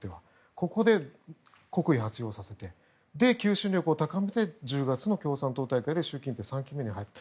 ここで国威を発揚させて求心力を高めて１０月の共産党大会で習近平３期目に入って。